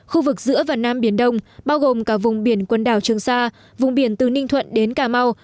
khu vực giữa và nam biển đông bao gồm cả vùng biển quần đảo trường sa vùng biển từ ninh thuận đến cà mau